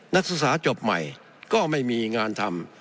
นักศึกษาจบใหม่ก็ไม่มีงานทำ